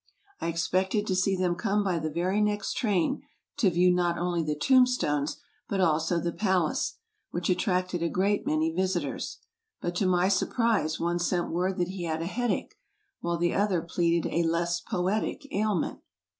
I ex pected to see them come by the very next train, to view not only the tombstones, but also the palace, which attracted a great many visitors ; but to my surprise one sent word that he had a headache, whilst the other pleaded a less poetic ailment.